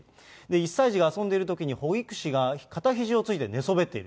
１歳児が遊んでいるときに、保育士が肩ひじをついて寝そべっている。